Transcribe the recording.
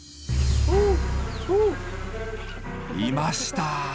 いました。